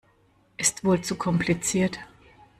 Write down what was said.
Ist wohl zu kompliziert.